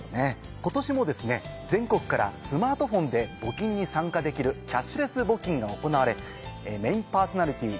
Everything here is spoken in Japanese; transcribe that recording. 今年もですね全国からスマートフォンで募金に参加できるキャッシュレス募金が行われメインパーソナリティー